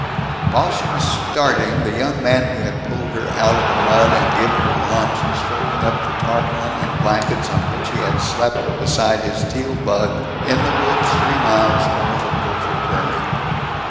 While she was starting the young man who had pulled her out of the mud and given her lunch was folding up the tarpaulin and blankets on which he had slept beside his Teal bug, in the woods three miles north of Gopher Prairie.